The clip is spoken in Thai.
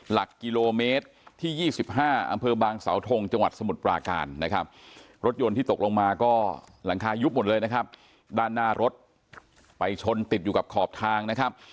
หลักกิโลเมตรที่๒๕อำเภอบางสาวทงจังหวัดสมุทรปราการนะครับรถยนต์ที่ตกลงมาก็หลังคายุบหมดเลยนะครับด้านหน้ารถไปชนติดอยู่กับขอบทางนะครับ